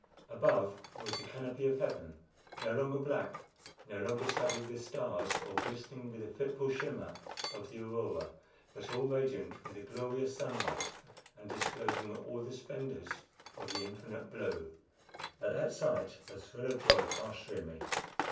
Above was the canopy of heaven, no longer black, no longer studded with stars or glistening with the fitful shimmer of the aurora, but all radiant with the glorious sunlight, and disclosing all the splendors of the infinite blue. At that sight a thrill of joy passed through me.